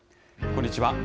こんにちは。